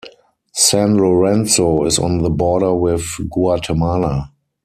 San Lorenzo is on the border with Guatemala.